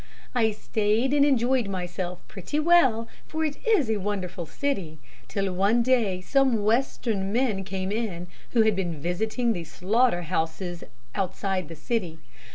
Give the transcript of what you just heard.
I stayed and enjoyed myself pretty well, for it is a wonderful city, till one day some Western men came in, who had been visiting the slaughter houses outside the city.